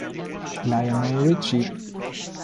Lionel Ritchie